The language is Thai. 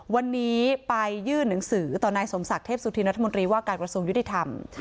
วันนี้ไปยื่นหนังสือต่อนายสมศักดิ์เทพสุธินรัฐมนตรีว่าการกระทรวงยุติธรรม